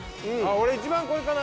俺一番これかな。